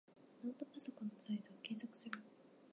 ノートパソコンのサイズを計測する。